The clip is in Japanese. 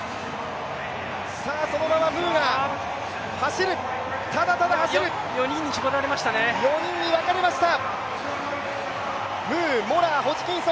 そのままムーが走る、ただただ走る４人に分かれました。